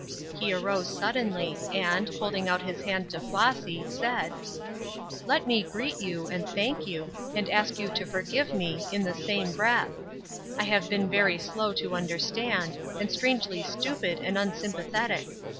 He arose suddenly, and, holding out his hand to Flossy, said: "Let me greet you, and thank you, and ask you to forgive me, in the same breath. I have been very slow to understand, and strangely stupid and unsympathetic.